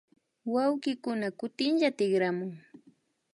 Wawkikuna kutinlla tikramun